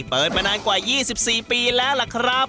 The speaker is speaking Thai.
เปิดมานานกว่า๒๔ปีแล้วล่ะครับ